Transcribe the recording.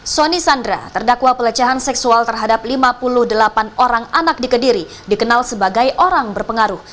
soni sandra terdakwa pelecehan seksual terhadap lima puluh delapan orang anak di kediri dikenal sebagai orang berpengaruh